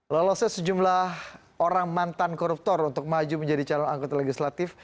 lolosnya sejumlah orang mantan koruptor untuk maju menjadi calon anggota legislatif